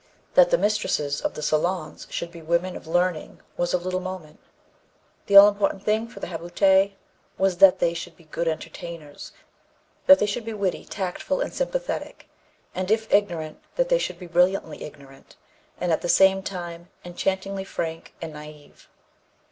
That the mistresses of the salons should be women of learning was of little moment. The all important thing for their habitués was that they should be good entertainers that they should be witty, tactful and sympathetic and, if ignorant, that they should be brilliantly ignorant, and, at the same time, enchantingly frank and naïve.